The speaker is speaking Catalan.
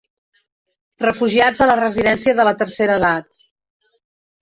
Refugiats a la residència de la tercera edat.